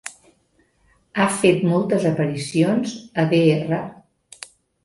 Ha fet moltes aparicions a 'Dr.